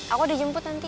aku udah jemput nanti